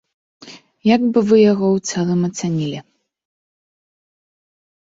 Як бы вы яго ў цэлым ацанілі?